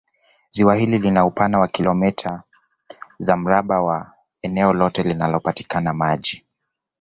Ziwa hili lina upana wa kilomita za mraba kwa eneo lote linalopatikana maji